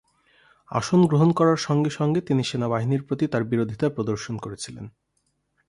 আসন গ্রহণ করার সঙ্গে সঙ্গে তিনি সেনাবাহিনীর প্রতি তার বিরোধিতা প্রদর্শন করেছিলেন।